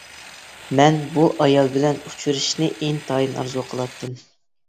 مەن بۇ ئايال بىلەن ئۇچرىشىشىنى ئىنتايىن ئارزۇ قىلاتتىم.